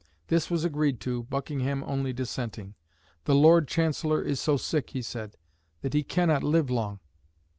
This was agreed to, Buckingham only dissenting. "The Lord Chancellor is so sick," he said, "that he cannot live long."